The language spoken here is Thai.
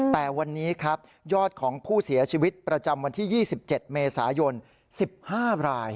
แต่วันนี้ครับยอดของผู้เสียชีวิตประจำวันที่๒๗เมษายน๑๕ราย